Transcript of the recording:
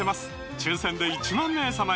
抽選で１万名様に！